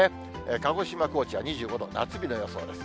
鹿児島、高知は２５度、夏日の予想です。